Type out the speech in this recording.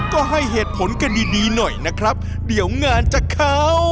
ก็ให้เหตุผลกันดีดีหน่อยนะครับเดี๋ยวงานจะเข้า